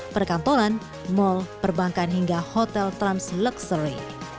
perkantoran mal perbankan hingga hotel trans luxury